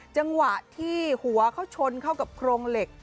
จังหวะที่หัวเขาชนเข้ากับโครงเหล็ก